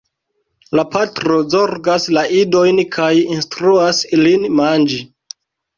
La patro zorgas la idojn kaj instruas ilin manĝi.